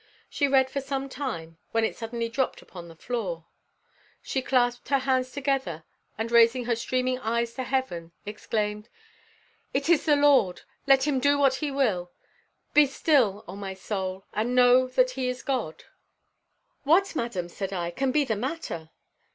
She read for some time, when it suddenly dropped upon the floor. She clasped her hands together, and raising her streaming eyes to heaven, exclaimed, "It is the Lord; let him do what he will. Be still, O my soul, and know that he is God." "What, madam," said I, "can be the matter?"